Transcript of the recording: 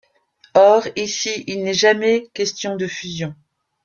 Or ici il n'est jamais question de fusion.